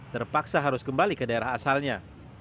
terpaksa harus kembali ke daerah asalnya